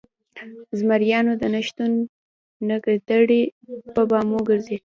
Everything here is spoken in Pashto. ـ زمريانو د نشتون نه ګيدړې په بامو ګرځي